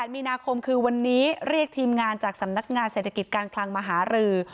มีนาคมคือวันนี้เรียกทีมงานจากสำนักงานเศรษฐกิจการคลังมาหารือ